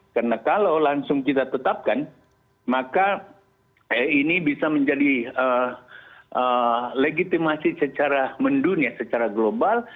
karena kalau langsung kita tetapkan maka ini bisa menjadi legitimasi secara mendunia secara global